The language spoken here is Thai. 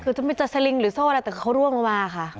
คือจะไม่เจอสลิงหรือโซ่อะไรแต่เขาร่วงลงมาค่ะ